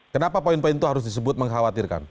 kenapa poin poin itu harus disebut mengkhawatirkan